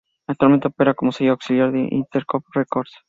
Actualmente opera como sello auxiliar de Interscope Records.